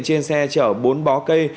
trên xe chở bốn bó cây